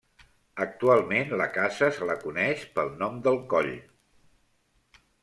Actualment la casa se la coneix pel nom del Coll.